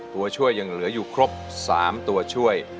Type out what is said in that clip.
ตัวช่วยยังเหลืออยู่ครบ๓ตัวช่วย